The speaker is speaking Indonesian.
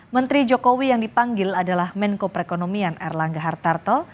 menteri jokowi yang dipanggil adalah menko perekonomian erlangga hartarto